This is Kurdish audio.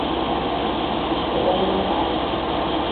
Te bernedaye.